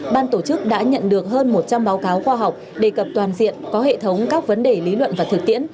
ban tổ chức đã nhận được hơn một trăm linh báo cáo khoa học đề cập toàn diện có hệ thống các vấn đề lý luận và thực tiễn